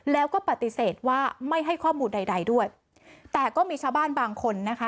แล้วก็ปฏิเสธว่าไม่ให้ข้อมูลใดใดด้วยแต่ก็มีชาวบ้านบางคนนะคะ